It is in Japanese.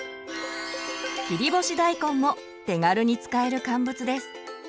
切り干し大根も手軽に使える乾物です。